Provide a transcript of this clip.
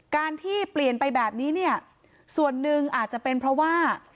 การที่เปลี่ยนไปแบบนี้เนี่ยส่วนหนึ่งอาจจะเป็นเพราะว่า